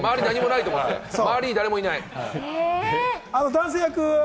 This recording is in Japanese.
男性役は？